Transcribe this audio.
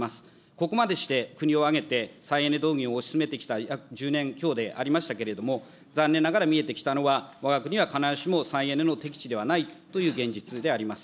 ここまでして、国を挙げて再エネ導入を推し進めてきた約１０年強でありましたけれども、残念ながら見えてきたのは、わが国は必ずしも再エネの適地ではないという現実であります。